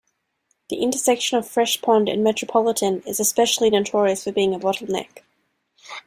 The intersection of Fresh Pond and Metropolitan is especially notorious for being a bottleneck.